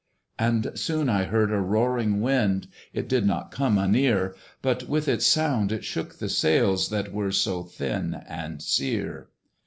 And soon I heard a roaring wind: It did not come anear; But with its sound it shook the sails, That were so thin and sere.